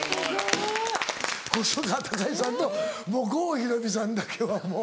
・すごい・細川たかしさんと郷ひろみさんだけはもう。